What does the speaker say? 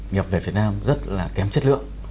nhập về việt nam rất là kém chất lượng